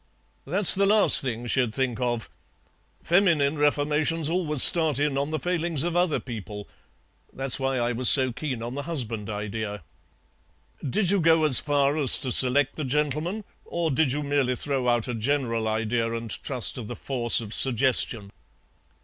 "That's the last thing she'd think of. Feminine reformations always start in on the failings of other people. That's why I was so keen on the husband idea." "Did you go as far as to select the gentleman, or did you merely throw out a general idea, and trust to the force of suggestion?"